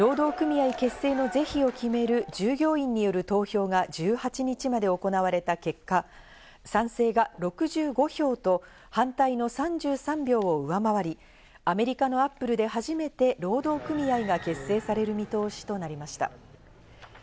労働組合結成の是非を決める従業員による投票が１８日まで行われた結果、賛成が６５票と、反対の３３票を上回り、アメリカのＡｐｐｌｅで初めて労働組合が結成される見通しとなりました。